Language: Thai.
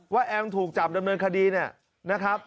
แอมถูกจับดำเนินคดีเนี่ยนะครับ